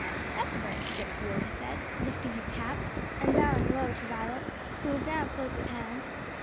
"That's a very strict rule," he said, lifting his cap and bowing low to Violet, who was now close at hand.